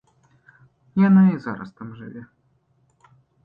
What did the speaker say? Яна і зараз там жыве.